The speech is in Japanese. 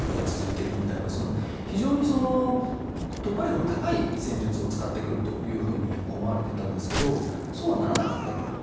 非常に突破力の高い戦術を使ってくると思われていたんですがそうはならなかったと。